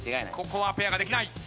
ここはペアができない。